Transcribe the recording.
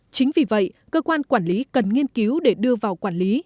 chính vì vậy cơ quan quản lý cần nghiên cứu để đưa vào quản lý